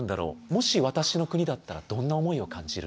もし私の国だったらどんな思いを感じる？